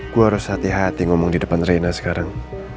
gue harus hati hati ngomong di depan rina sekarang